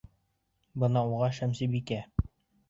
Бына уға Шәмсебикә!